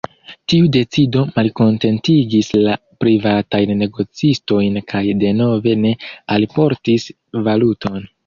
Tiu decido malkontentigis la privatajn negocistojn kaj denove ne alportis valuton.